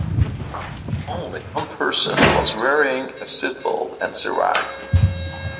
Only one person was wearing a seatbelt and survived.